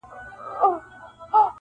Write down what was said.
ستا دي قسم په ذوالجلال وي-